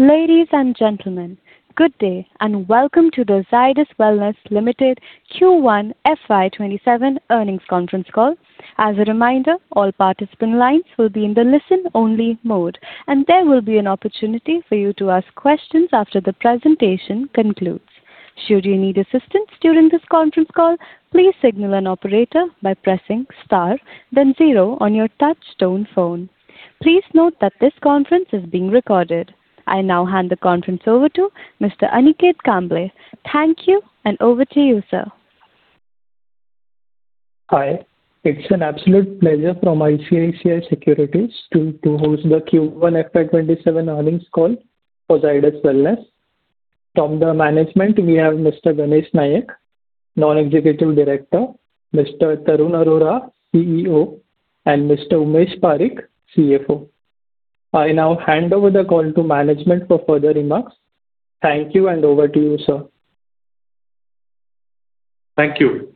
Ladies and gentlemen, good day and welcome to the Zydus Wellness Limited Q1 FY 2027 earnings conference call. As a reminder, all participant lines will be in the listen only mode, and there will be an opportunity for you to ask questions after the presentation concludes. Should you need assistance during this conference call, please signal an operator by pressing star then zero on your touch-tone phone. Please note that this conference is being recorded. I now hand the conference over to Mr. Aniket Kamble. Thank you, and over to you, sir. Hi. It's an absolute pleasure from ICICI Securities to host the Q1 FY 2027 earnings call for Zydus Wellness. From the management, we have Mr. Ganesh Nayak, Non-Executive Director, Mr. Tarun Arora, CEO, and Mr. Umesh Parikh, CFO. I now hand over the call to management for further remarks. Thank you, and over to you, sir. Thank you.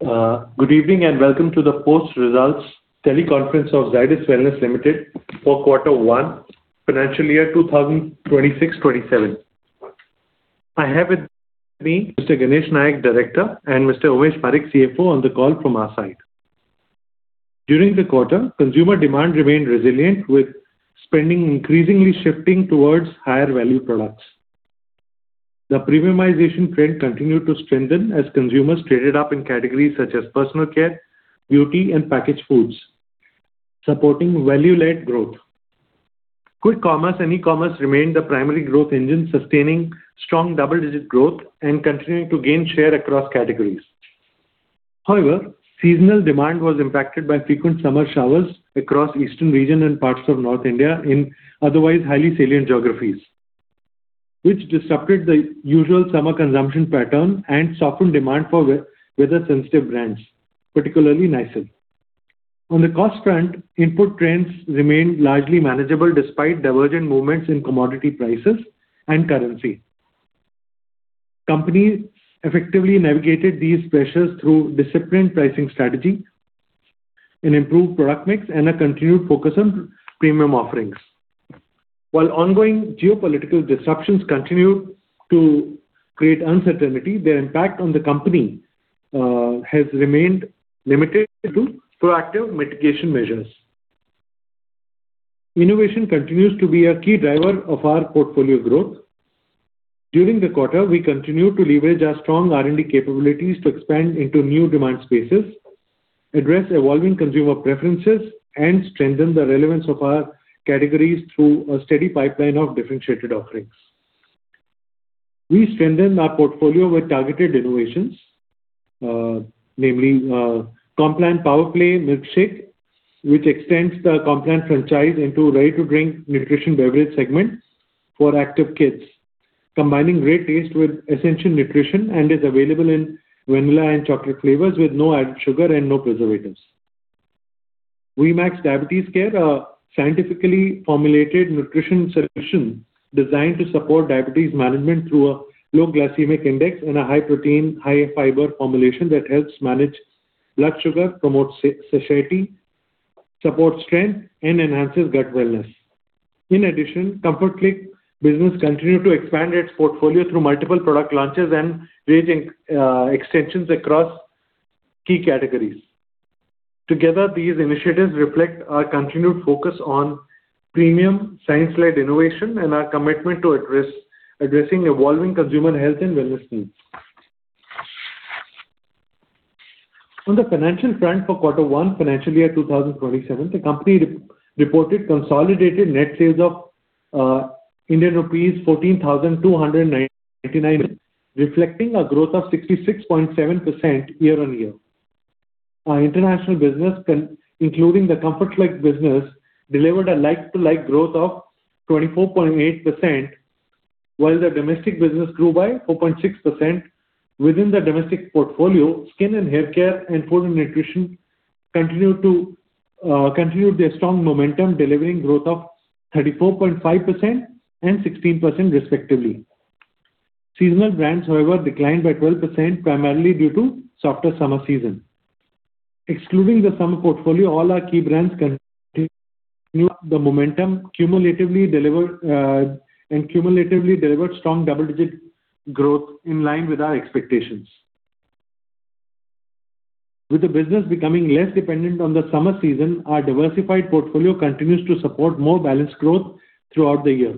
Good evening, and welcome to the post-results teleconference of Zydus Wellness Limited for quarter one, FY 2026/2027. I have with me Mr. Ganesh Nayak, Director, and Mr. Umesh Parikh, CFO, on the call from our side. During the quarter, consumer demand remained resilient, with spending increasingly shifting towards higher-value products. The premiumization trend continued to strengthen as consumers traded up in categories such as personal care, beauty, and packaged foods, supporting value-led growth. Quick commerce and e-commerce remained the primary growth engine, sustaining strong double-digit growth and continuing to gain share across categories. However, seasonal demand was impacted by frequent summer showers across eastern region and parts of North India in otherwise highly salient geographies, which disrupted the usual summer consumption pattern and softened demand for weather-sensitive brands, particularly Nycil. On the cost front, input trends remained largely manageable despite divergent movements in commodity prices and currency. Company effectively navigated these pressures through disciplined pricing strategy, an improved product mix, and a continued focus on premium offerings. While ongoing geopolitical disruptions continued to create uncertainty, their impact on the company has remained limited to proactive mitigation measures. Innovation continues to be a key driver of our portfolio growth. During the quarter, we continued to leverage our strong R&D capabilities to expand into new demand spaces, address evolving consumer preferences, and strengthen the relevance of our categories through a steady pipeline of differentiated offerings. We strengthened our portfolio with targeted innovations, namely Complan Powerplay Milkshake, which extends the Complan franchise into ready-to-drink nutrition beverage segment for active kids, combining great taste with essential nutrition and is available in vanilla and chocolate flavors with no added sugar and no preservatives. VieMax Diabetes Care, a scientifically formulated nutrition solution designed to support diabetes management through a low glycemic index and a high protein, high fiber formulation that helps manage blood sugar, promotes satiety, supports strength, and enhances gut wellness. In addition, Comfort Click business continued to expand its portfolio through multiple product launches and range extensions across key categories. Together, these initiatives reflect our continued focus on premium science-led innovation and our commitment to addressing evolving consumer health and wellness needs. On the financial front for Q1 FY 2027, the company reported consolidated net sales of INR 14,299 million, reflecting a growth of 66.7% year-on-year. Our international business, including the Comfort Click business, delivered a like-for-like growth of 24.8%, while the domestic business grew by 4.6%. Within the domestic portfolio, skin and hair care and food and nutrition continued their strong momentum, delivering growth of 34.5% and 16%, respectively. Seasonal brands, however, declined by 12%, primarily due to softer summer season. Excluding the summer portfolio, all our key brands continued the momentum, and cumulatively delivered strong double-digit growth in line with our expectations. With the business becoming less dependent on the summer season, our diversified portfolio continues to support more balanced growth throughout the year.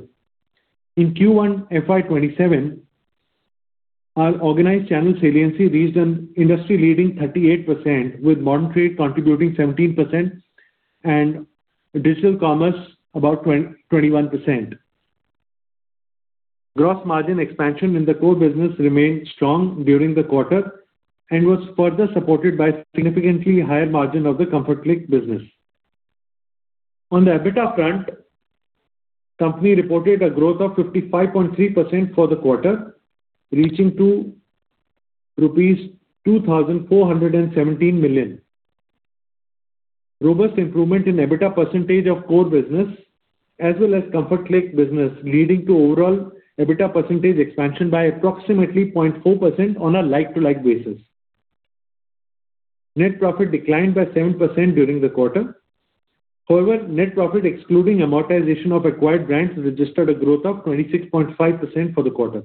In Q1 FY 2027, our organized channel saliency reached an industry-leading 38%, with modern trade contributing 17% and digital commerce about 21%. Gross margin expansion in the core business remained strong during the quarter and was further supported by significantly higher margin of the Comfort Click business. On the EBITDA front, company reported a growth of 55.3% for the quarter, reaching to rupees 2,417 million. Robust improvement in EBITDA percentage of core business as well as Comfort Click business, leading to overall EBITDA percentage expansion by approximately 0.4% on a like-for-like basis. Net profit declined by 7% during the quarter. However, net profit excluding amortization of acquired brands registered a growth of 26.5% for the quarter.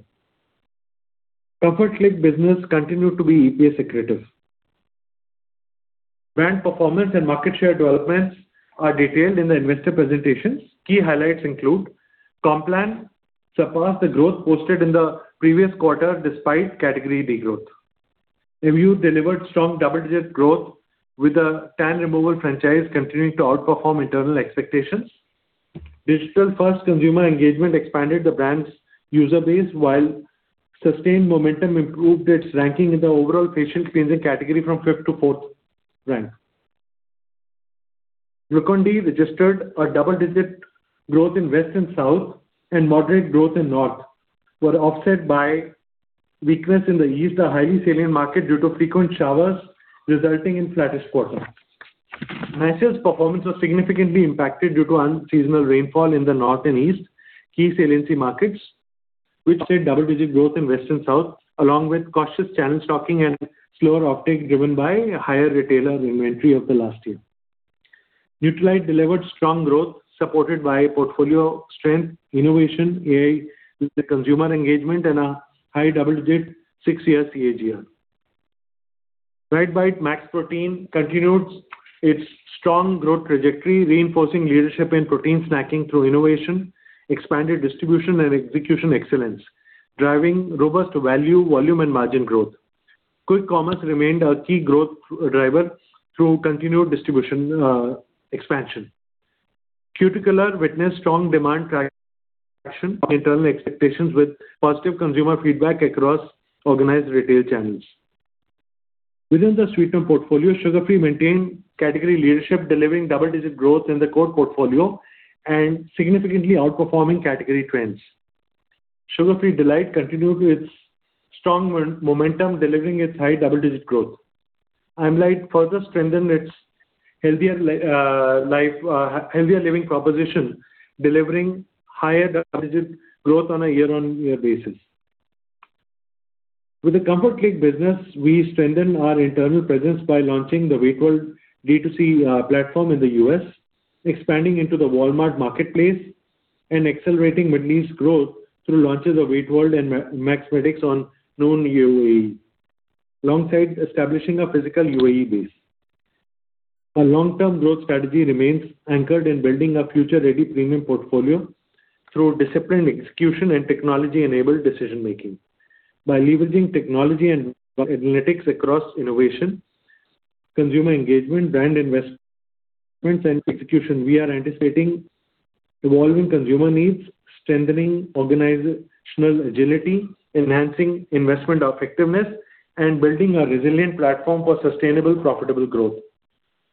Comfort Click business continued to be EPS accretive. Brand performance and market share developments are detailed in the investor presentations. Key highlights include Complan surpassed the growth posted in the previous quarter despite category degrowth. Everyuth delivered strong double-digit growth, with the tan removal franchise continuing to outperform internal expectations. Digital-first consumer engagement expanded the brand's user base, while sustained momentum improved its ranking in the overall facial cleansing category from fifth to fourth rank. Nycil registered a double-digit growth in west and south, and moderate growth in north, but offset by weakness in the east, a highly salient market, due to frequent showers resulting in flattish quarter. Nycil's performance was significantly impacted due to unseasonal rainfall in the north and east, key salience markets, which saw double-digit growth in west and south, along with cautious channel stocking and slower offtake driven by higher retailer inventory of the last year. Nutralite delivered strong growth supported by portfolio strength, innovation, AI-driven consumer engagement, and a high double-digit six-year CAGR. RiteBite Max Protein continued its strong growth trajectory, reinforcing leadership in protein snacking through innovation, expanded distribution, and execution excellence, driving robust value, volume, and margin growth. Quick commerce remained our key growth driver through continued distribution expansion. Cuticolor witnessed strong demand traction on internal expectations with positive consumer feedback across organized retail channels. Within the Sweetened portfolio, Sugar Free maintained category leadership, delivering double-digit growth in the core portfolio and significantly outperforming category trends. Sugar Free D'lite continued with its strong momentum, delivering a high double-digit growth. I'm Lite further strengthened its healthier living proposition, delivering higher double-digit growth on a year-on-year basis. With the Comfort Click business, we strengthened our internal presence by launching the WeightWorld D2C platform in the U.S., expanding into the Walmart marketplace, and accelerating Middle East growth through launches of WeightWorld and Maxmedix on Noon UAE, alongside establishing a physical UAE base. Our long-term growth strategy remains anchored in building a future-ready premium portfolio through disciplined execution and technology-enabled decision-making. By leveraging technology and analytics across innovation, consumer engagement, brand investments, and execution, we are anticipating evolving consumer needs, strengthening organizational agility, enhancing investment effectiveness, and building a resilient platform for sustainable profitable growth.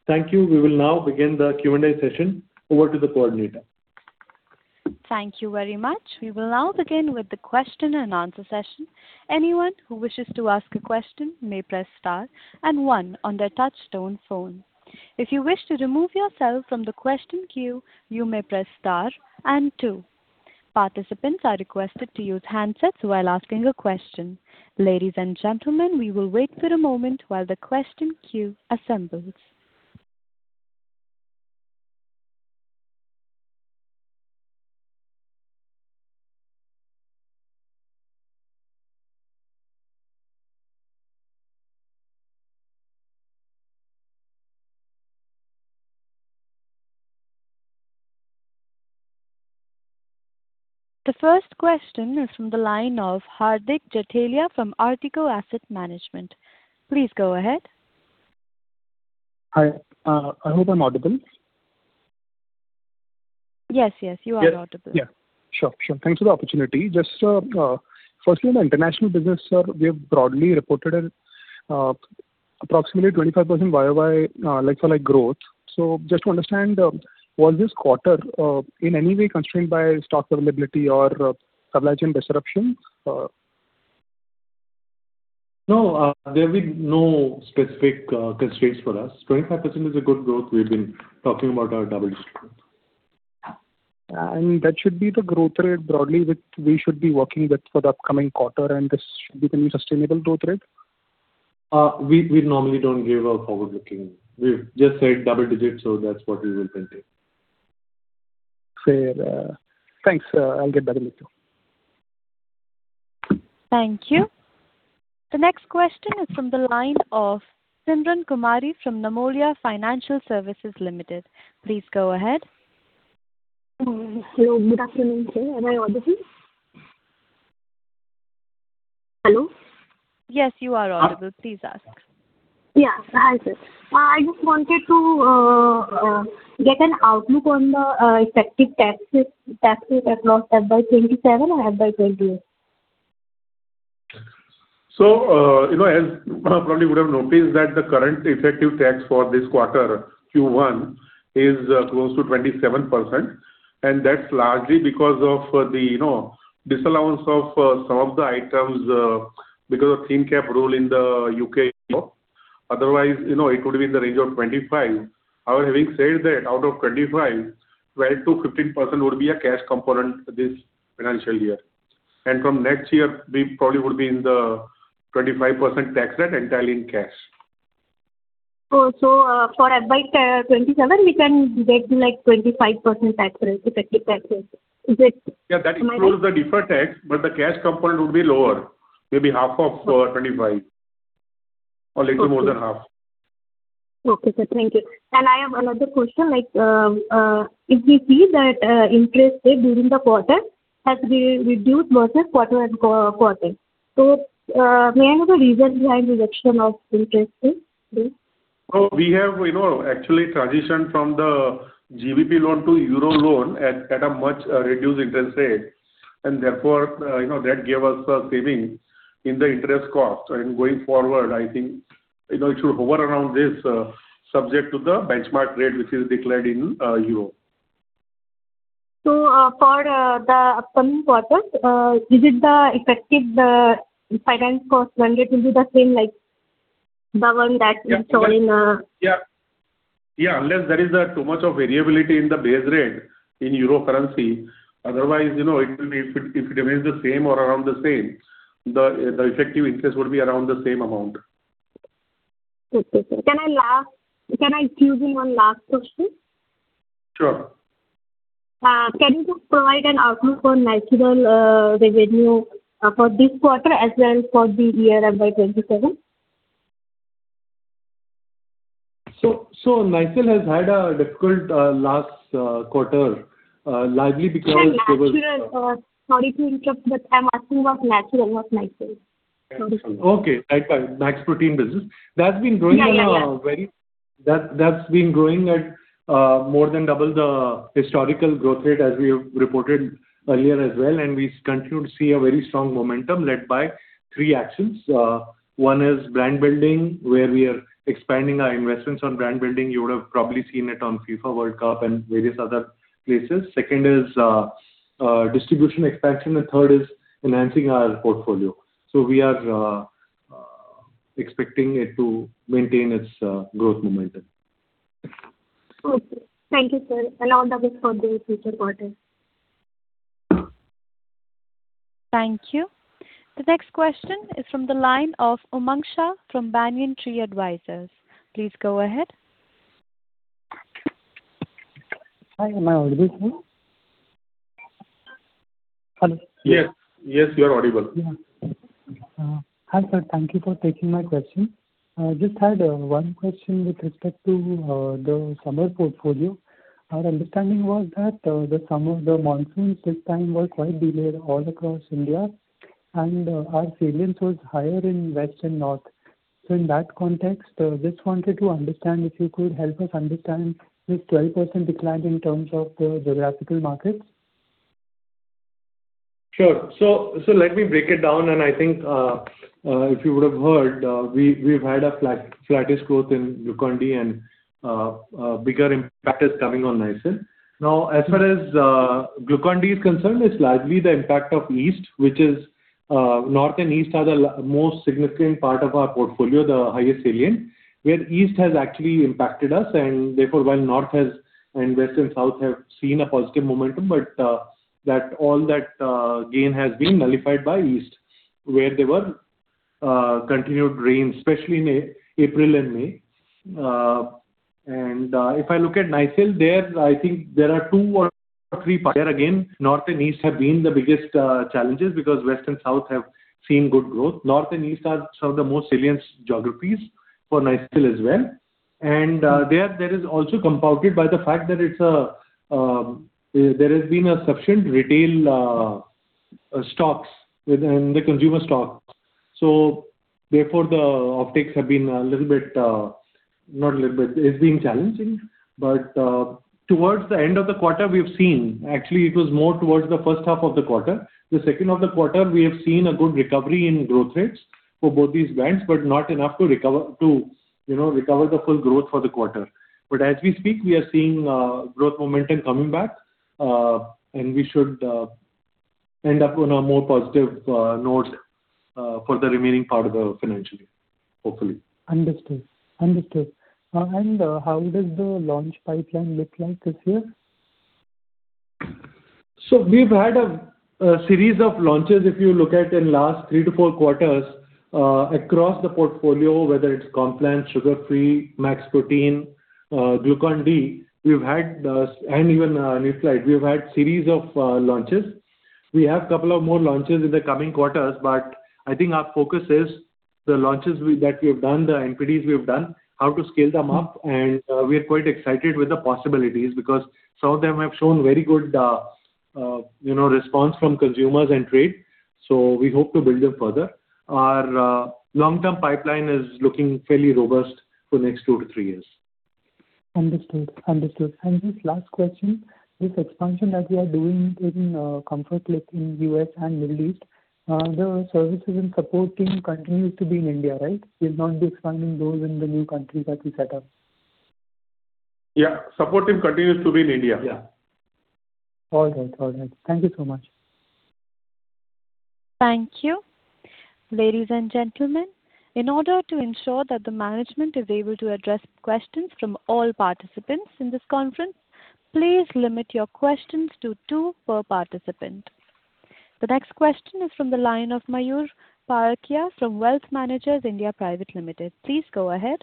Thank you. We will now begin the Q&A session. Over to the coordinator. Thank you very much. We will now begin with the question and answer session. Anyone who wishes to ask a question may press star and one on their touch-tone phone. If you wish to remove yourself from the question queue, you may press star and two. Participants are requested to use handsets while asking a question. Ladies and gentlemen, we will wait for a moment while the question queue assembles. The first question is from the line of Hardik Jatheliya from Ardeko Asset Management. Please go ahead. Hi. I hope I'm audible. Yes. You are audible. Yeah. Sure. Thanks for the opportunity. Just firstly, on the international business, sir, we have broadly reported approximately 25% YoY like-for-like growth. To understand, was this quarter in any way constrained by stock availability or supply chain disruptions? No, there will be no specific constraints for us. 25% is a good growth. We have been talking about our double-digit growth. That should be the growth rate broadly which we should be working with for the upcoming quarter, and this should be the new sustainable growth rate? We normally don't give a forward-looking. We just said double digits, that's what we will maintain. Fair. Thanks, sir. I'll get back to you. Thank you. The next question is from the line of Simran Kumari from Narmolia Financial Services Limited. Please go ahead. Hello. Good afternoon, sir. Am I audible? Hello? Yes, you are audible. Please ask. Yeah. Hi, sir. I just wanted to get an outlook on the effective tax rate across FY 2027 and FY 2028. As probably you would have noticed that the current effective tax for this quarter, Q1, is close to 27%, and that's largely because of the disallowance of some of the items because of thin capitalisation rule in the U.K. Otherwise, it would have been in the range of 25%. However, having said that, out of 25%, 12%-15% would be a cash component this financial year. From next year, we probably would be in the 25% tax rate entirely in cash. For FY 2027, we can get 25% tax rate, effective tax rate. Yeah, that includes the different tax, the cash component would be lower. Maybe half of 25% or little more than half. Okay, sir. Thank you. I have another question. If we see that interest rate during the quarter has reduced versus quarter-on-quarter. May I know the reason behind reduction of interest rate, please? We have actually transitioned from the GBP loan to euro loan at a much reduced interest rate, and therefore, that gave us a saving in the interest cost. Going forward, I think it should hover around this, subject to the benchmark rate which is declared in euro. For the upcoming quarter, will the effective finance cost then it will be the same like the one that you showed in- Yeah. Unless there is too much of variability in the base rate in euro currency. Otherwise, if it remains the same or around the same, the effective interest will be around the same amount. Okay, sir. Can I squeeze in one last question? Sure. Can you just provide an outlook on Nycil revenue for this quarter, as well as for the year FY 2027? Nycil has had a difficult last quarter. Sorry to interrupt, I'm asking about Nycil, not Glucon-D. Okay. Max Protein business. That's been growing at more than double the historical growth rate, as we have reported earlier as well. We continue to see a very strong momentum led by three actions. One is brand building, where we are expanding our investments on brand building. You would have probably seen it on FIFA World Cup and various other places. Second is distribution expansion. The third is enhancing our portfolio. We are expecting it to maintain its growth momentum. Okay. Thank you, sir. All the best for the future quarters. Thank you. The next question is from the line of Umang Shah from Banyan Tree Advisors. Please go ahead. Hi, am I audible, sir? Hello? Yes. You are audible. Hi, sir. Thank you for taking my question. Just had one question with respect to the summer portfolio. Our understanding was that the monsoons this time were quite delayed all across India, and our salience was higher in west and north. In that context, just wanted to understand if you could help us understand this 12% decline in terms of the geographical markets. Let me break it down. I think, if you would have heard, we've had a flattish growth in Glucon-D and a bigger impact is coming on Nycil. As far as Glucon-D is concerned, it's largely the impact of east. North and east are the most significant part of our portfolio, the highest salient, where east has actually impacted us, and therefore while north and west and south have seen a positive momentum, but all that gain has been nullified by east, where there were continued rains, especially in April and May. If I look at Nycil, I think there are two or three there again, north and east have been the biggest challenges because west and south have seen good growth. North and east are some of the most salient geographies for Nycil as well. That is also compounded by the fact that there has been a sufficient retail stocks within the consumer stocks. Therefore, the optics have been challenging. Towards the end of the quarter, we have seen, actually it was more towards the first half of the quarter. The second half of the quarter, we have seen a good recovery in growth rates for both these brands, but not enough to recover the full growth for the quarter. As we speak, we are seeing growth momentum coming back, and we should end up on a more positive note for the remaining part of the financial year, hopefully. Understood. How does the launch pipeline look like this year? We've had a series of launches, if you look at in last three to four quarters, across the portfolio, whether it's Complan, Sugar Free, Max Protein, Glucon-D, and even Nutralite. We've had series of launches. We have couple of more launches in the coming quarters, I think our focus is the launches that we have done, the NPDs we've done, how to scale them up, and we are quite excited with the possibilities because some of them have shown very good response from consumers and trade. We hope to build them further. Our long-term pipeline is looking fairly robust for next two to three years. Understood. Just last question. This expansion that you are doing in Comfort Click in the U.S. and Middle East, the services and support team continues to be in India, right? You'll not be expanding those in the new countries that you set up. Yeah. Support team continues to be in India. All right. Thank you so much. Thank you. Ladies and gentlemen, in order to ensure that the management is able to address questions from all participants in this conference, please limit your questions to two per participant. The next question is from the line of Mayur Parkeria from Wealth Managers (India) Private Limited. Please go ahead.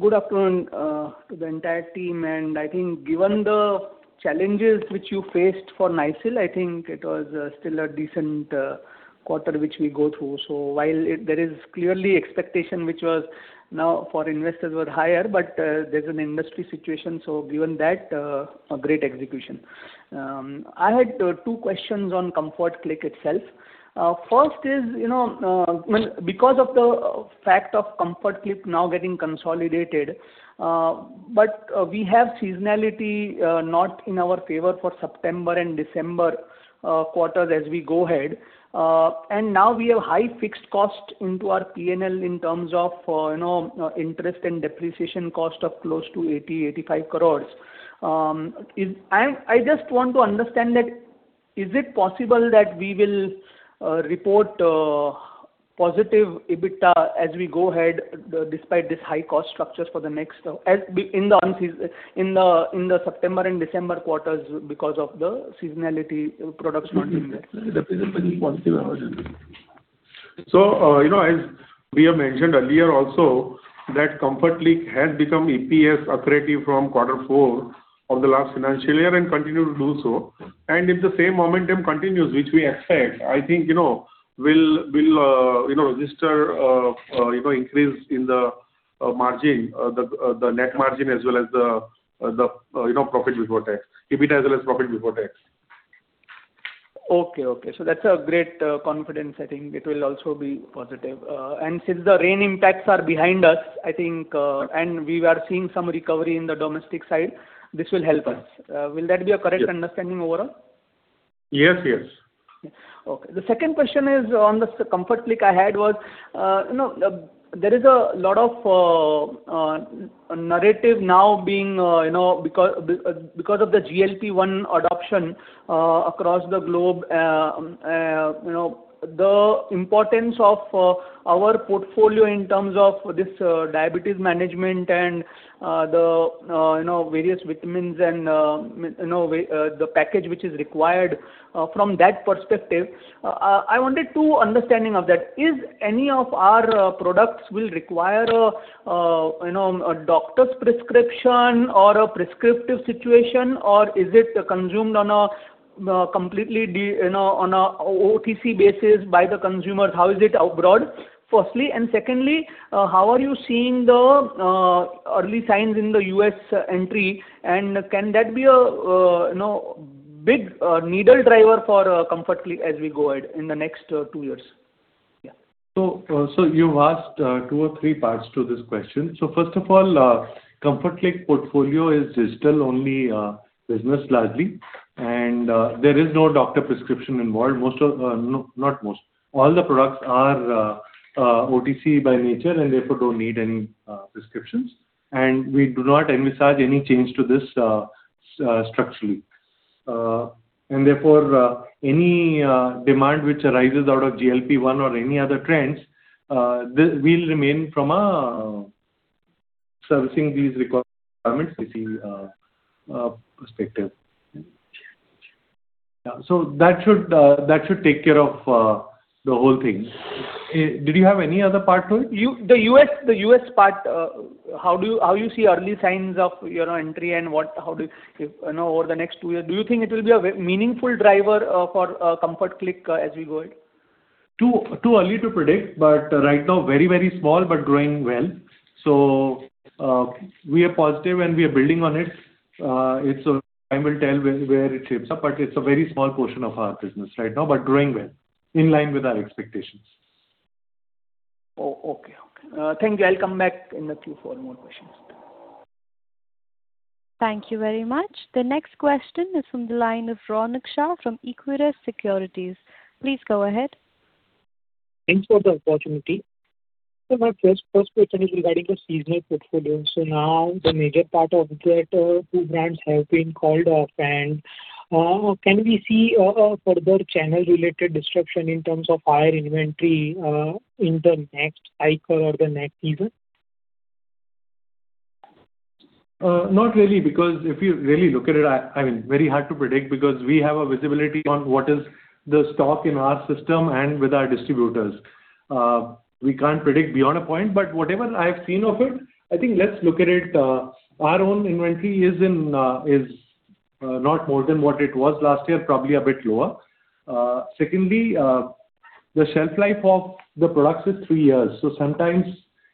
Good afternoon to the entire team. I think given the challenges which you faced for Nycil, I think it was still a decent quarter, which we go through. While there is clearly expectation, which was now for investors were higher, but there's an industry situation, so given that, a great execution. I had two questions on Comfort Click itself. First is, because of the fact of Comfort Click now getting consolidated, but we have seasonality not in our favor for September and December quarters as we go ahead. Now we have high fixed cost into our P&L in terms of interest and depreciation cost of close to 80 crores-85 crores. I just want to understand that, is it possible that we will report positive EBITDA as we go ahead despite this high cost structures in the September and December quarters because of the seasonality products not being there? As we have mentioned earlier also, that Comfort Click has become EPS accretive from quarter four of the last financial year and continue to do so. If the same momentum continues, which we expect, I think we'll register increase in the net margin as well as the profit before tax, EBITDA as well as profit before tax. Okay. That's a great confidence. I think it will also be positive. Since the rain impacts are behind us, I think, and we are seeing some recovery in the domestic side, this will help us. Will that be a correct understanding overall? Yes. The second question is on the Comfort Click I had was, there is a lot of narrative now because of the GLP-1 adoption across the globe, the importance of our portfolio in terms of this diabetes management and the various vitamins and the package which is required from that perspective. I wanted two understanding of that. Is any of our products will require a doctor's prescription or a prescriptive situation or is it consumed on a completely on a OTC basis by the consumers? How is it abroad, firstly? Secondly, how are you seeing the early signs in the U.S. entry and can that be a big needle driver for Comfort Click as we go ahead in the next two years? Yeah. You've asked two or three parts to this question. First of all, Comfort Click portfolio is still only business largely and there is no doctor prescription involved. All the products are OTC by nature and therefore don't need any prescriptions and we do not envisage any change to this structurally. Therefore, any demand which arises out of GLP-1 or any other trends will remain from a servicing these requirements B2C perspective. That should take care of the whole thing. Did you have any other part to it? The U.S. part, how you see early signs of your entry over the next two year, do you think it will be a meaningful driver for Comfort Click as we go ahead? Too early to predict, but right now very small but growing well. We are positive and we are building on it. Time will tell where it shapes up, but it's a very small portion of our business right now but growing well, in line with our expectations. Okay. Thank you. I'll come back in a few for more questions. Thank you very much. The next question is from the line of Ronak Shah from Equirus Securities. Please go ahead. Thanks for the opportunity. My first question is regarding the seasonal portfolio. Now the major part of that two brands have been called off and can we see a further channel related disruption in terms of higher inventory in the next cycle or the next season? Not really because if you really look at it, very hard to predict because we have a visibility on what is the stock in our system and with our distributors. We can't predict beyond a point but whatever I have seen of it, I think let's look at it, our own inventory is not more than what it was last year, probably a bit lower. Secondly, the shelf life of the products is three years sometimes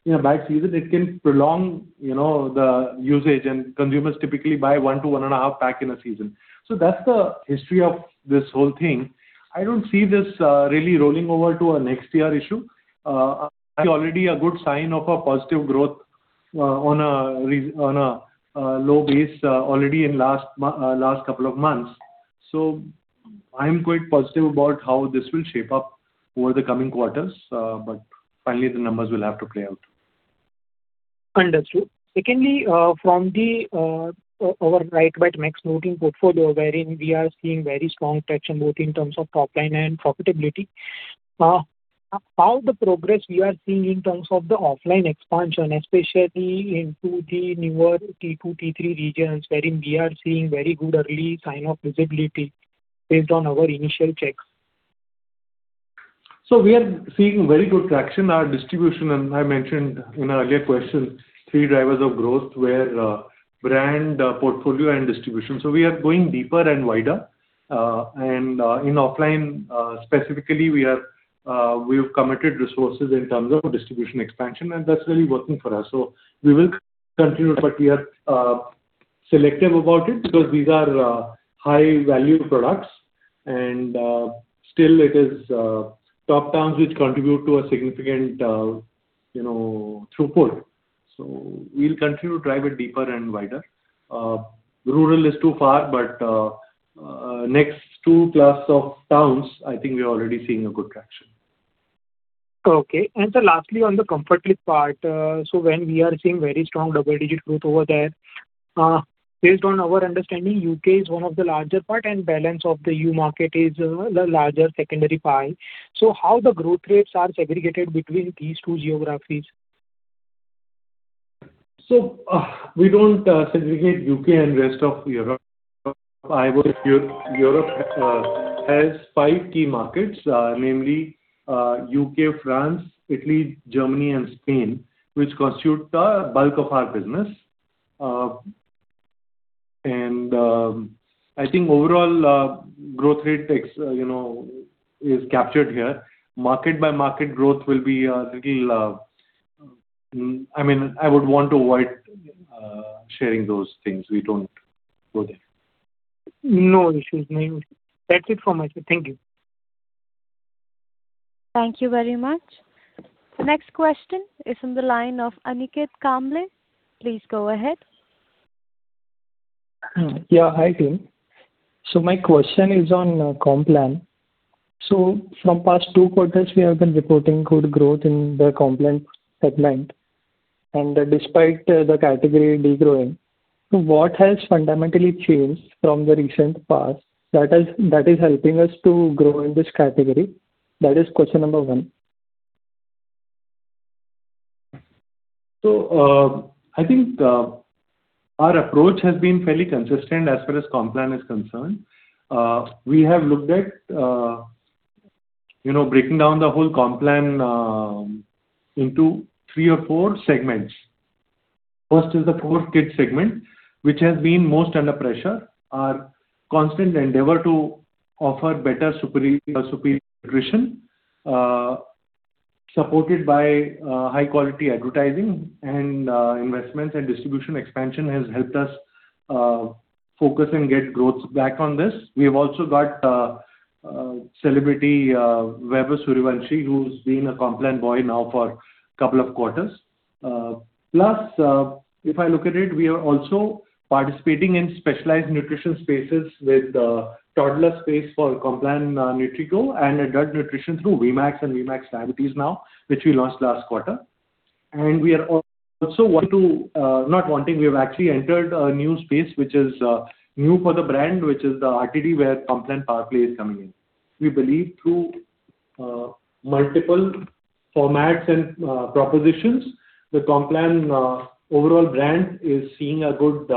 in a bad season it can prolong the usage and consumers typically buy one to one and a half pack in a season. That's the history of this whole thing. I don't see this really rolling over to a next year issue. I see already a good sign of a positive growth on a low base already in last couple of months. I'm quite positive about how this will shape up over the coming quarters. Finally the numbers will have to play out. Understood. Secondly, from our RiteBite Max Protein portfolio wherein we are seeing very strong traction, both in terms of top line and profitability. How the progress we are seeing in terms of the offline expansion, especially into the newer T2, T3 regions wherein we are seeing very good early sign of visibility based on our initial checks. We are seeing very good traction. Our distribution, I mentioned in earlier question, three drivers of growth were brand, portfolio, and distribution. We are going deeper and wider. In offline specifically, we have committed resources in terms of distribution expansion, and that's really working for us. We will continue, but we are selective about it because these are high-value products and still it is top towns which contribute to a significant throughput. We will continue to drive it deeper and wider. Rural is too far, but next two plus of towns, I think we're already seeing a good traction. Okay. Sir, lastly, on the Comfort Click part, when we are seeing very strong double-digit growth over there. Based on our understanding, U.K. is one of the larger part and balance of the E.U. market is the larger secondary pie. How the growth rates are segregated between these two geographies? We don't segregate U.K. and Rest of Europe. Europe has five key markets namely U.K., France, Italy, Germany, and Spain, which constitute the bulk of our business. I think overall growth rate is captured here. Market by market growth will be a little I would want to avoid sharing those things. We don't go there. No issues. That's it from my side. Thank you. Thank you very much. The next question is on the line of Aniket Kamble. Please go ahead. Yeah. Hi, team. My question is on Complan. From past two quarters, we have been reporting good growth in the Complan segment and despite the category degrowing. What has fundamentally changed from the recent past that is helping us to grow in this category? That is question number one. I think our approach has been fairly consistent as far as Complan is concerned. We have looked at breaking down the whole Complan into three or four segments. First is the poor kid segment, which has been most under pressure. Our constant endeavor to offer better superior nutrition, supported by high-quality advertising and investments and distribution expansion has helped us focus and get growth back on this. We have also got celebrity Vaibhav Sooryavanshi, who's been a Complan boy now for a couple of quarters. Plus, if I look at it, we are also participating in specialized nutrition spaces with toddler space for Complan NutriGro and adult nutrition through VieMax and VieMax Diabetes Care now, which we launched last quarter. We are also actually entered a new space, which is new for the brand, which is the RTD, where Complan Powerplay is coming in. We believe through multiple formats and propositions, the Complan overall brand is seeing a good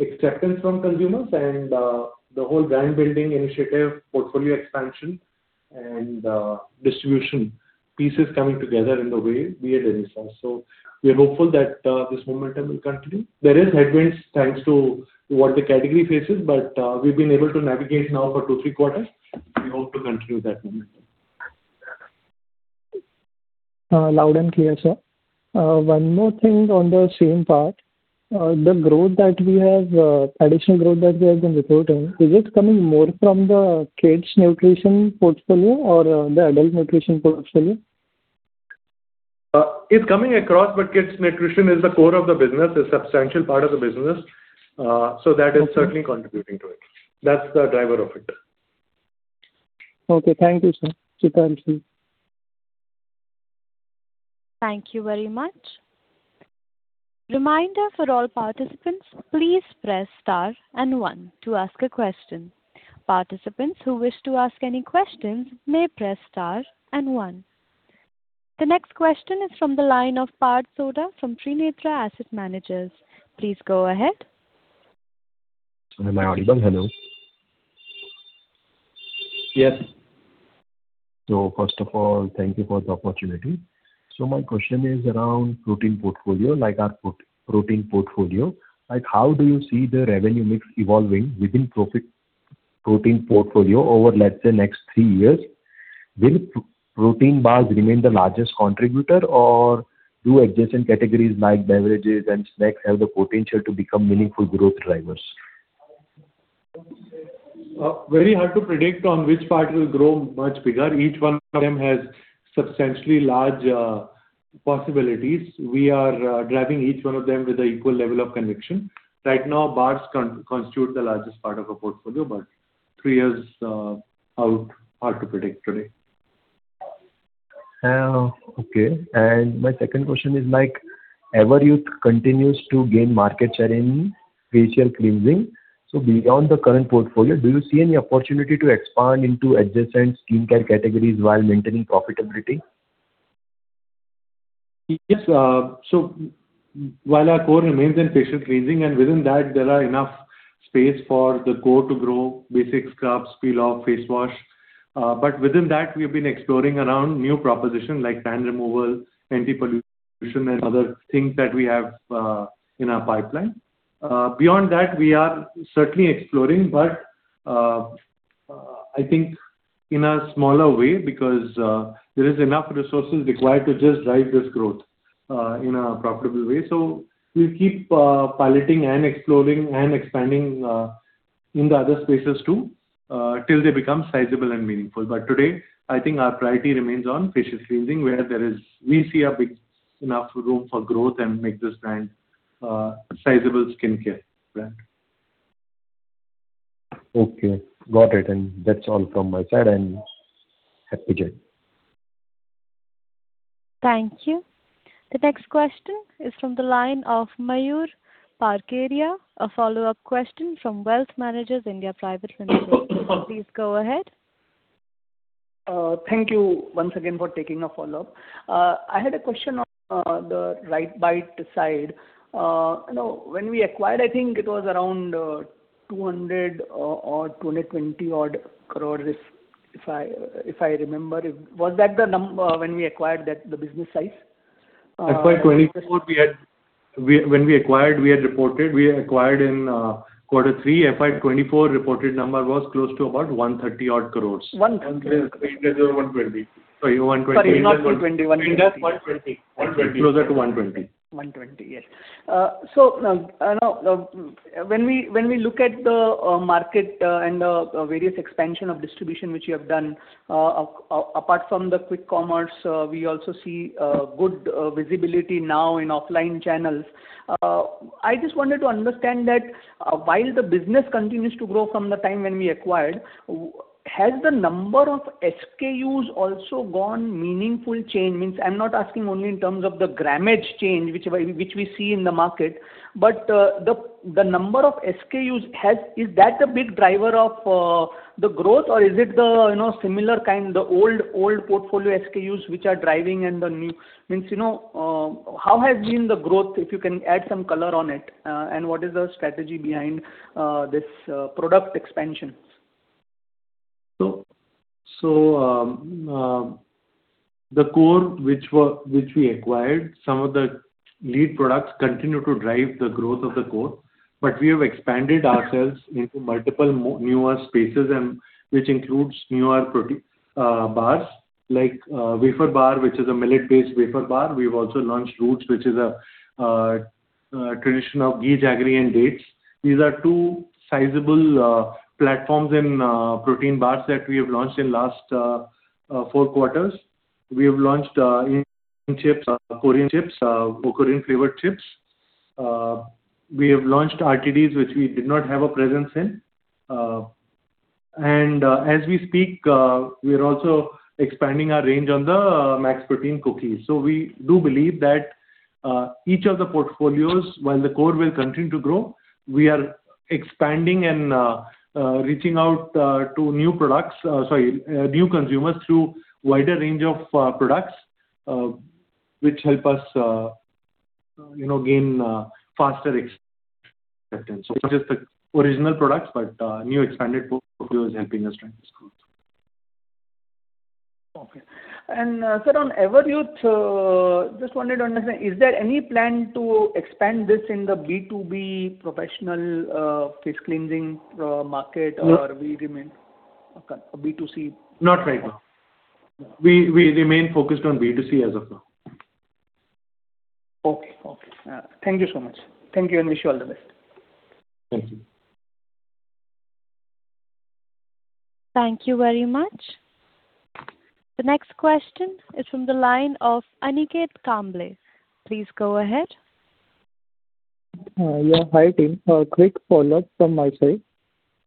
acceptance from consumers and the whole brand-building initiative, portfolio expansion, and distribution pieces coming together in the way we had envisioned. We are hopeful that this momentum will continue. There is headwinds, thanks to what the category faces, but we've been able to navigate now for two, three quarters. We hope to continue that momentum. Loud and clear, sir. One more thing on the same part. The additional growth that we have been reporting, is it coming more from the kids nutrition portfolio or the adult nutrition portfolio? It's coming across, kids nutrition is the core of the business, a substantial part of the business. That is certainly contributing to it. That's the driver of it. Okay. Thank you, sir. Thank you very much. Reminder for all participants, please press star and one to ask a question. Participants who wish to ask any questions may press star and one. The next question is from the line of Parth Sodha from Trinetra Asset Managers. Please go ahead. Am I audible? Hello. Yes. First of all, thank you for the opportunity. My question is around protein portfolio. Like our protein portfolio, how do you see the revenue mix evolving within protein portfolio over, let's say, next three years? Will protein bars remain the largest contributor or do adjacent categories like beverages and snacks have the potential to become meaningful growth drivers? Very hard to predict on which part will grow much bigger. Each one of them has substantially large possibilities. We are driving each one of them with an equal level of conviction. Right now, bars constitute the largest part of our portfolio, but three years out, hard to predict today. Okay. My second question is, Everyuth continues to gain market share in facial cleansing. Beyond the current portfolio, do you see any opportunity to expand into adjacent skincare categories while maintaining profitability? Yes. While our core remains in facial cleansing, within that there are enough space for the core to grow, basic scrubs, peel off, face wash. Within that, we've been exploring around new proposition like tan removal, anti-pollution and other things that we have in our pipeline. Beyond that, we are certainly exploring, but I think in a smaller way because there is enough resources required to just drive this growth in a profitable way. We'll keep piloting and exploring and expanding in the other spaces too, till they become sizable and meaningful. Today, I think our priority remains on facial cleansing, where we see a big enough room for growth and make this brand a sizable skincare brand. Okay, got it. That's all from my side and happy to join. Thank you. The next question is from the line of Mayur Parkeria, a follow-up question from Wealth Managers (India) Private Limited. Please go ahead. Thank you once again for taking a follow-up. I had a question on the RiteBite side. When we acquired, I think it was around 200 odd crores or 220 odd crores, if I remember. Was that the number when we acquired the business size? When we acquired, we had reported, we acquired in quarter three FY 2024, reported number was close to about 130 odd crores. 130 crores. It was INR 120 crores. Sorry, INR 120 crores. Sorry, not INR 120 crores, INR 130 crores? INR 120 crores. Closer to INR 120 crores. INR 120 crores, yes. When we look at the market and the various expansion of distribution which you have done, apart from the quick commerce, we also see good visibility now in offline channels. I just wanted to understand that while the business continues to grow from the time when we acquired, has the number of SKUs also gone meaningful change? I am not asking only in terms of the grammage change, which we see in the market, but the number of SKUs, is that a big driver of the growth or is it the similar kind, the old portfolio SKUs which are driving and the new? How has been the growth, if you can add some color on it, and what is the strategy behind this product expansion? The core which we acquired, some of the lead products continue to drive the growth of the core. We have expanded ourselves into multiple newer spaces and which includes newer protein bars, like wafer bar, which is a millet-based wafer bar. We've also launched Roots, which is a traditional ghee, jaggery and dates. These are two sizable platforms in protein bars that we have launched in last four quarters. We have launched Korean chips, Okra-rin flavored chips. We have launched RTDs, which we did not have a presence in. As we speak, we are also expanding our range on the Max Protein cookies. We do believe that each of the portfolios, while the core will continue to grow, we are expanding and reaching out to new consumers through wider range of products, which help us gain faster acceptance, which is the original products, but new expanded portfolios helping us drive this growth. Okay. Sir, on Everyuth, just wanted to understand, is there any plan to expand this in the B2B professional face cleansing market? No. Will you remain B2C? Not right now. We remain focused on B2C as of now. Okay. Thank you so much. Thank you and wish you all the best. Thank you. Thank you very much. The next question is from the line of Aniket Kamble. Please go ahead. Yeah. Hi, team. A quick follow-up from my side.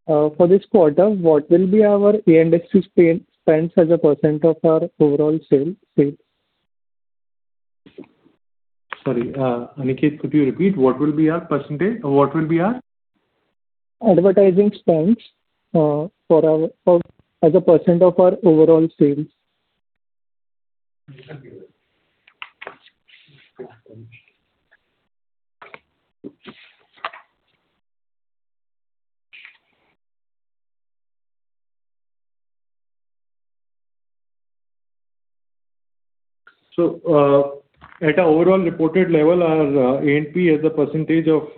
For this quarter, what will be our A&P spends as a percentage of our overall sales? Sorry, Aniket, could you repeat? What will be our percentage? Advertising spends as a percentage of our overall sales. At our overall reported level, our A&P as a percentage of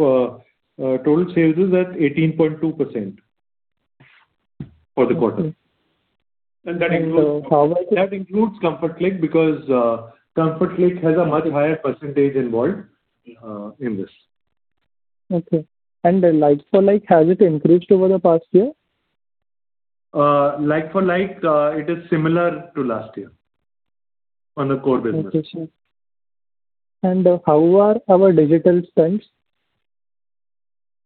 total sales is at 18.2% for the quarter. Okay. That includes Comfort Click because Comfort Click has a much higher percentage involved in this. Lik-for-like, has it increased over the past year? Like-for-like, it is similar to last year on the core business. Okay, sure. How are our digital spends?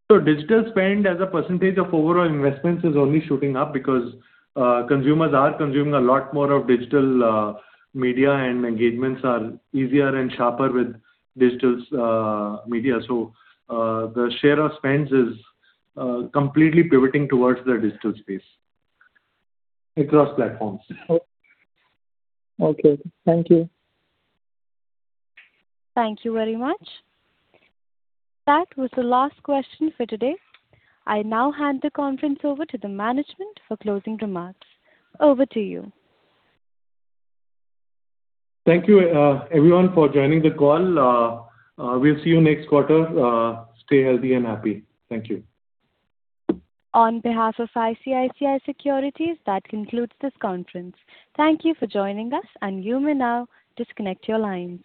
Digital spend as a percentage of overall investments is only shooting up because consumers are consuming a lot more of digital media and engagements are easier and sharper with digital media. The share of spends is completely pivoting towards the digital space across platforms. Okay. Thank you. Thank you very much. That was the last question for today. I now hand the conference over to the management for closing remarks. Over to you. Thank you everyone for joining the call. We'll see you next quarter. Stay healthy and happy. Thank you. On behalf of ICICI Securities, that concludes this conference. Thank you for joining us, and you may now disconnect your lines.